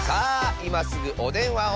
いますぐおでんわを。